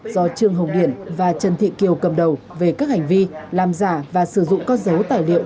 do trương hồng điển và trần thị kiều cầm đầu về các hành vi làm giả và sử dụng con dấu tài liệu